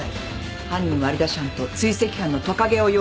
犯人割り出し班と追跡班のトカゲを用意してください。